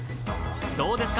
どうですか？